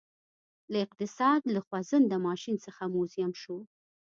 له اقتصاد له خوځنده ماشین څخه موزیم شو